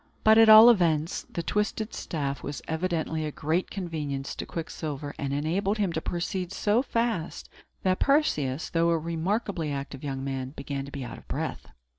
But, at all events, the twisted staff was evidently a great convenience to Quicksilver, and enabled him to proceed so fast, that Perseus, though a remarkably active young man, began to be out of breath.